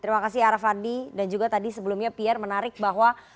terima kasih araf radi dan juga tadi sebelumnya pierre menarik bahwa